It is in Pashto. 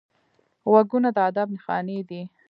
غوږونه د ادب نښانې دي